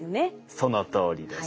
そのとおりです。